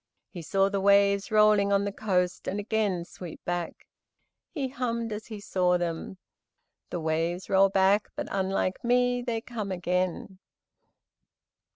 He saw the waves rolling on the coast and again sweep back. He hummed, as he saw them: "The waves roll back, but unlike me, They come again."